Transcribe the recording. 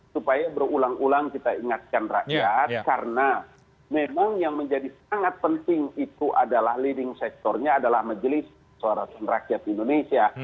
supaya berulang ulang kita ingatkan rakyat karena memang yang menjadi sangat penting itu adalah leading sectornya adalah majelis suara rakyat indonesia